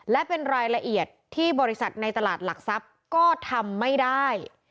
และเป็นรายละเอียดที่บริษัทในตลาดหลักทรัพย์ก็ทำไม่ได้